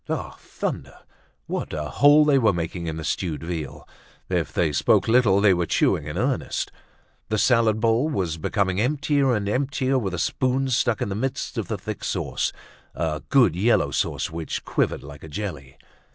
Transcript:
Ah! thunder! What a hole they were making in the stewed veal! If they spoke little, they were chewing in earnest. The salad bowl was becoming emptier and emptier with a spoon stuck in the midst of the thick sauce—a good yellow sauce which quivered like a jelly.